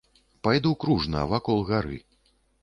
Пайду кружна, вакол гары.